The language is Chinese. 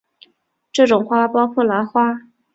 这种花包括兰花。